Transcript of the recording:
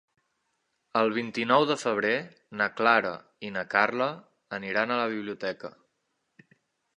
El vint-i-nou de febrer na Clara i na Carla aniran a la biblioteca.